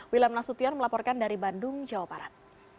wilam nasution melaporkan dari bandung jawa barat